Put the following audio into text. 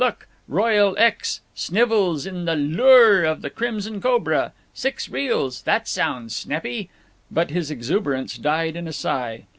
Look! Royal X. Snivvles in 'The Lure of the Crimson Cobra' six reels that sounds snappy." But his exuberance died in a sigh.